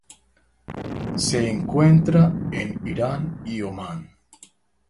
Se encuentra en Irán y Omán.